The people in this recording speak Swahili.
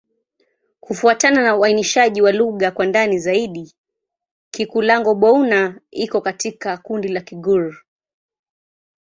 Kufuatana na uainishaji wa lugha kwa ndani zaidi, Kikulango-Bouna iko katika kundi la Kigur.